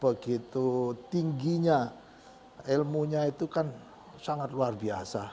begitu tingginya ilmunya itu kan sangat luar biasa